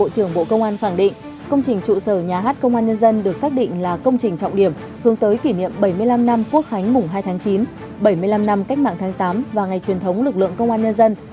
bộ trưởng bộ công an khẳng định công trình trụ sở nhà hát công an nhân dân được xác định là công trình trọng điểm hướng tới kỷ niệm bảy mươi năm năm quốc khánh mùng hai tháng chín bảy mươi năm năm cách mạng tháng tám và ngày truyền thống lực lượng công an nhân dân